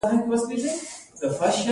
ښځې د بړستن پيڅکه وښويوله.